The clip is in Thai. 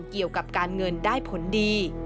เกี่ยวกับการเงินได้ผลดี